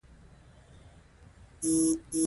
آیا په کابل کې صنعتي پارکونه فعال دي؟